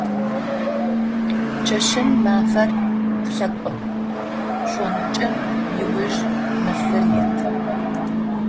Чэщым мафэр къылъэкӏо, шӏункӏым ыуж нэфыр ит.